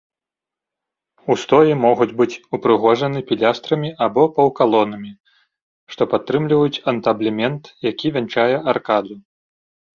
Устоі могуць быць упрыгожаны пілястрамі або паўкалонамі, што падтрымліваюць антаблемент, які вянчае аркаду.